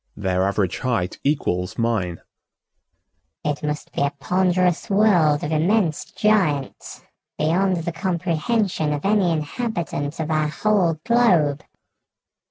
"Their average height equals mine." "It must be a ponderous world of immense giants beyond the comprehension of any inhabitant of our whole globe."